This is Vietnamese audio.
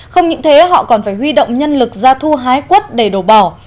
không những thế họ còn phải huy động nhân lực ra thu hái quất để đổ bỏ